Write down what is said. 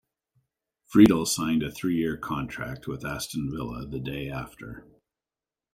Friedel signed a three-year contract with Aston Villa the day after.